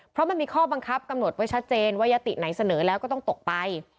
เพราะมันมีข้อบังคับกำหนดไว้ชัดเจนว่ายติไหนเสนอแล้วก็ต้องตกไป